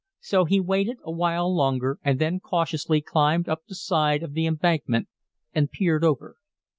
So he waited a while longer, and then cautiously climbed up the side of the embankment and peered over.